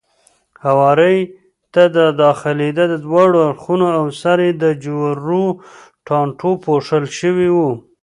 هوارۍ ته داخلېده، دواړه اړخونه او سر یې د جورو ټانټو پوښل شوی و.